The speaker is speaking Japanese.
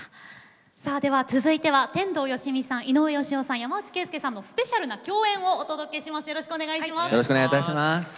続いては天童よしみさん井上芳雄さん、山内惠介さんのスペシャルな共演をお届けします。